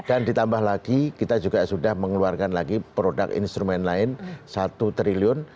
dan ditambah lagi kita juga sudah mengeluarkan lagi produk instrumen lain satu triliun